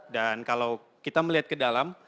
dan kalau kita melihat ke dalam